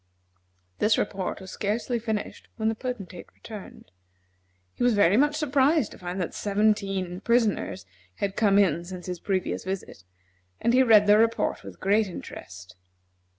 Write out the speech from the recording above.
This report was scarcely finished when the Potentate returned. He was very much surprised to find that seventeen prisoners had come in since his previous visit, and he read the report with interest.